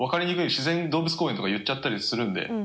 「自然動物公園」とか言っちゃったりするので。